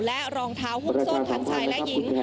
และรองเท้าหุ้นตัวทำหยิ้นน่ากับหิง